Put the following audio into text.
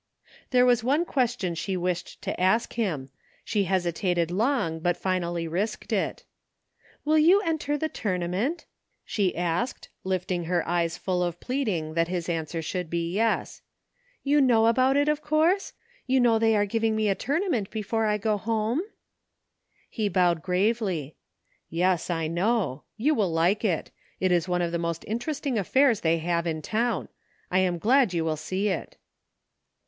There was one question she wished to ask hinx She hesitated long but finally risked it " You will enter the tournament? " she asked, lift ing her eyes full of pleading that his answer should be yes. " You know about it, of course ? You know they are giving me a tournament before I go home? " He bowed gravely. '* Yes, I know. You will like it. It is one of the most interesting affairs they have in town. I am glad you will see it."